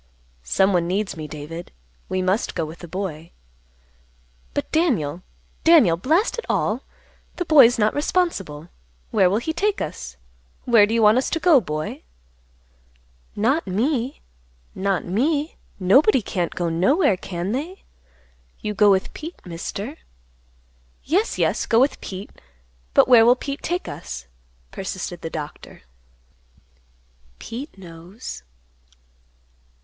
"Someone needs me, David. We must go with the boy." "But, Daniel, Daniel! Blast it all! The boy's not responsible. Where will he take us? Where do you want us to go, boy?" "Not me; not me; nobody can't go nowhere, can they? You go with Pete, Mister." "Yes, yes; go with Pete; but where will Pete take us?" persisted the Doctor. "Pete knows."